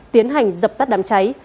tiến hành dập tắt đám cháy